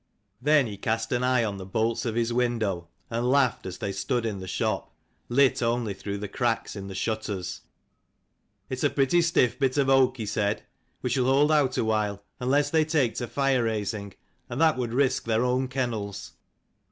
Then he cast an eye on the bolts of his window, and laughed as they stood in the shop, lit only through the cracks in the shutters. " It is a pretty stiff bit of oak," he said. " We shall hold out awhile, unless they take to fire raising, and that would risk their own kennels.